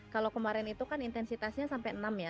kalau kemarin itu kan intensitasnya sampai enam ya